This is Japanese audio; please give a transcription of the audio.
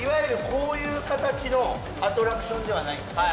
こういう形のアトラクションではないんですね